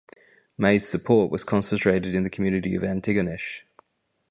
May's support was concentrated in the community of Antigonish.